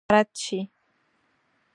طرد شي.